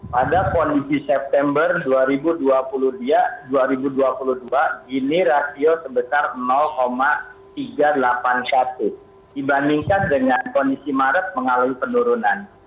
pada kondisi september dua ribu dua puluh dua ini rasio sebesar tiga ratus delapan puluh satu dibandingkan dengan kondisi maret mengalami penurunan